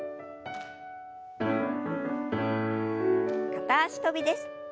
片脚跳びです。